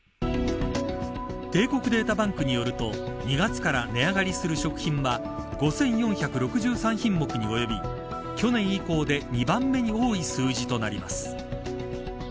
帝国データバンクによると２月から値上がりする食品は５４６３品目に及び去年以降で２番目に多い数字となります。